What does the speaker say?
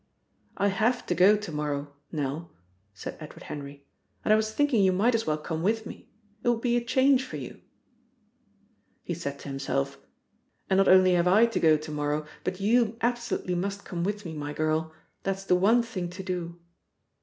"I have to go to morrow, Nell," said Edward Henry. "And I was thinking you might as well come with me. It will be a change for you." (He said to himself: "And not only have I to go to morrow, but you absolutely must come with me, my girl. That's the one thing to do.")